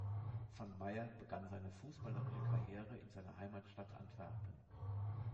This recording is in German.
Van Meir begann seine fußballerische Karriere in seiner Heimatstadt Antwerpen.